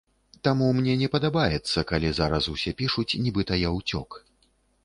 Таму мне не падабаецца, калі зараз усе пішуць, нібыта я ўцёк.